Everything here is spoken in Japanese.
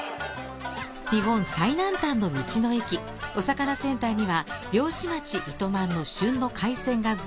日本最南端の道の駅お魚センターには漁師町糸満の旬の海鮮がずらり。